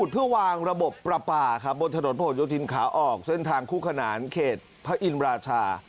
ถนนพระโหดยกดินขาออกเส้นทางคู่ขนานเขตพระอินราชา